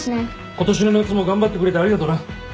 今年の夏も頑張ってくれてありがとな。